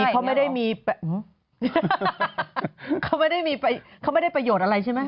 เขาไม่ได้มีเขาไม่ได้ประโยชน์อะไรใช่ไหม